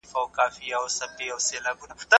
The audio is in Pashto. زه به درځمه د راتلو زېری مي مه هېروه